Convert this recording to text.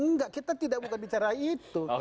enggak kita tidak bukan bicara itu